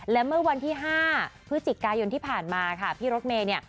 และเมื่อวันที่๕พฤศจิกายนที่ผ่านมาค่ะพี่รถเมย์เนี่ย